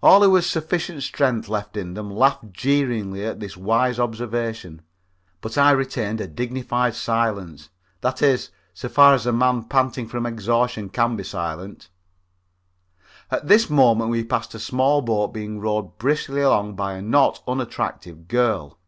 All who had sufficient strength left in them laughed jeeringly at this wise observation, but I retained a dignified silence that is, so far as a man panting from exhaustion can be silent. At this moment we passed a small boat being rowed briskly along by a not unattractive girl.